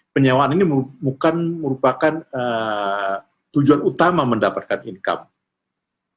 penyewaan ini bukan merupakan tujuan utama mendapatkan income